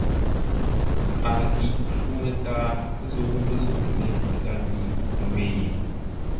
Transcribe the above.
A ghǐ fú mətǎa zə́u məzə̂u mé gháp mi ngwě yé.